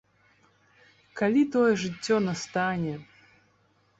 Калі тое жыццё настане?